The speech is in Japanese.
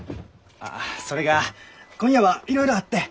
ああそれが今夜はいろいろあって。